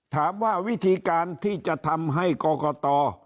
ถามว่าวิธีการที่จะทำให้กรกต